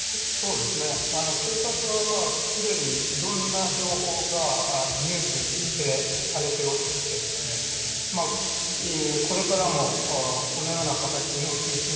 警察は既にいろんな情報が入手されておって、これからもこのような形の給付金